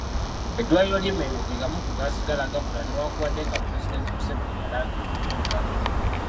Eddwaliro ly'e Mengo ge gamu ku gaasigala gakola newankubadde nga Pulezidenti Museveni yalangirira omuggalo.